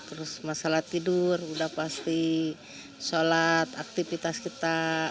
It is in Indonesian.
terus masalah tidur udah pasti sholat aktivitas kita